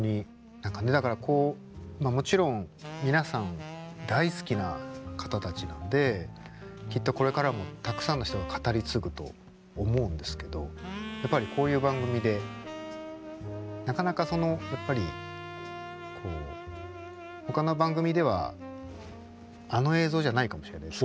何かねだからこうもちろん皆さん大好きな方たちなんできっとこれからもたくさんの人が語り継ぐと思うんですけどやっぱりこういう番組でなかなかそのやっぱりほかの番組ではあの映像じゃないかもしれないですよね。